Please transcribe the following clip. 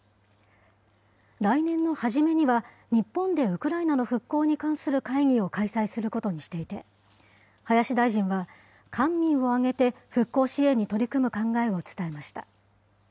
来年のはじめには、日本でウクライナの復興に関する会議を開催することにしていて、林大臣は官民を挙げて復興支援に取り組む考えを伝えました。